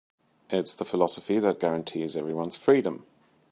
It's the philosophy that guarantees everyone's freedom.